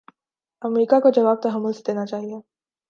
امریکہ کو جواب تحمل سے دینا چاہیے۔